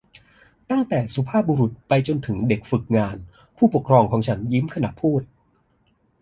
ตั้งแต่สุภาพบุรุษไปจนถึงเด็กฝึกงาน ผู้ปกครองของฉันยิ้มขณะพูด